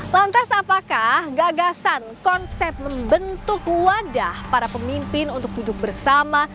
lantas apakah gagasan konsep membentuk wadah para pemimpin untuk duduk bersama